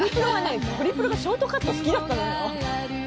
ホリプロがショートカット好きだったのよ。